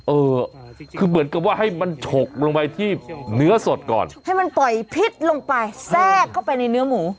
เออคือเหมือนกับว่าให้มันฉกลงไปที่เนื้อสดก่อนให้มันปล่อยพิษลงไปแทรกเข้าไปในเนื้อหมู